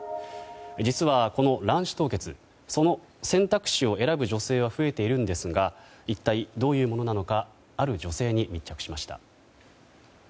実は、この卵子凍結その選択肢を選ぶ女性が増えているんですが一体どういうものなのかある女性に密着しました。